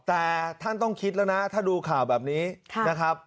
แต่ท่านต้องคิดแล้วนะถ้าดูข่าวแบบนี้นะครับ